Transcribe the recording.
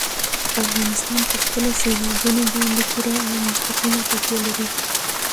افغانستان په خپلو سیلابونو باندې پوره او مستقیمه تکیه لري.